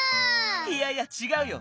いやいやちがうよ。